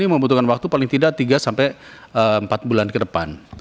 membutuhkan waktu paling tidak tiga sampai empat bulan ke depan